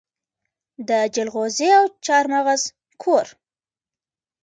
د جلغوزي او چارمغز کور.